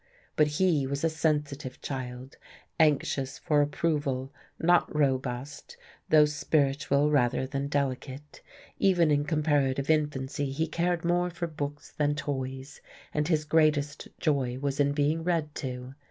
But he was a sensitive child, anxious for approval; not robust, though spiritual rather than delicate; even in comparative infancy he cared more for books than toys, and his greatest joy was in being read to.